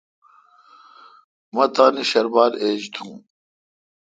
مہ تان شربال ایج تھون۔